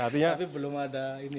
tapi belum ada ini